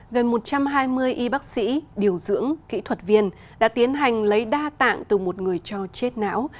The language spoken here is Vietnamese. gần một trăm hai mươi y bác sĩ điều dưỡng kỹ thuật viên đã tiến hành lấy đa tạng từ một người cho chết não